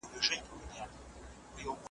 مکتب پرانیستی د جینکیو ,